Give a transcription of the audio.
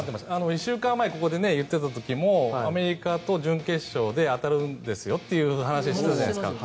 １週間前ここで言っていた時もアメリカと準決勝であたるんですよという話をしたじゃないですか。